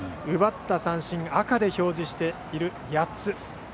奪った三振は赤で表示している８つ。